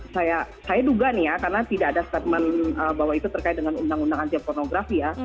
saya duga nih ya karena tidak ada statement bahwa itu terkait dengan undang undang anti pornografi ya